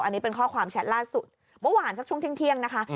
อันนี้เป็นข้อความแชทล่าสุดเมื่อวานสักช่วงเที่ยงนะคะ